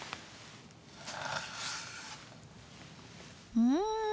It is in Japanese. うん！